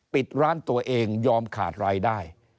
ปิดร้านตัวเองยอมขาดรายได้